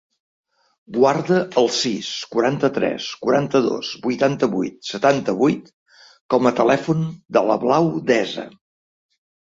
Guarda el sis, quaranta-tres, quaranta-dos, vuitanta-vuit, setanta-vuit com a telèfon de la Blau Deza.